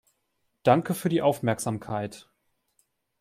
Danke für die Aufmerksamkeit.